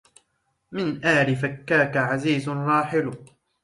من آل فكاك عزيز راحل